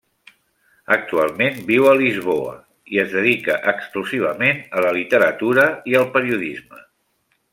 Actualment viu a Lisboa i es dedica exclusivament a la literatura i al periodisme.